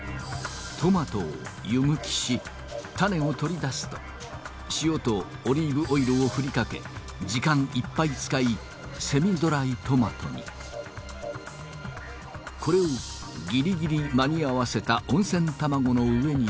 トマトを湯むきし種を取り出すと塩とオリーブオイルを振りかけ時間いっぱい使いセミドライトマトにこれをギリギリ間に合わせた温泉卵の上に載せ